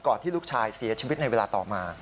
ที่ลูกชายเสียชีวิตในเวลาต่อมา